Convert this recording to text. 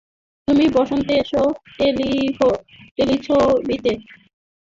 তুমি বসন্তে এসো টেলিছবিতে অভিনয় করেছেন অপূর্ব, রিচি, শাহীন খান, বন্যা মির্জা প্রমুখ।